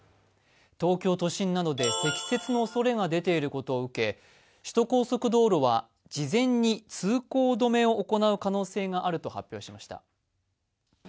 東京都心などで積雪のおそれが出ていることなどを受け首都高速道路は事前に通行止めを行う可能性があると発表しました。